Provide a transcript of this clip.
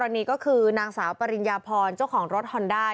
อันนี้ก็คือนางสาวปริญญาพรเจ้าของรถฮอนด้า